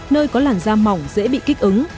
nơi có làn da mỏng dễ bị kích ứng